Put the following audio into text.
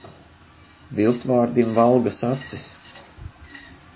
Viltvārdim valgas acis.